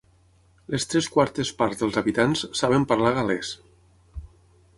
Les tres quartes parts dels habitants saben parlar gal·lès.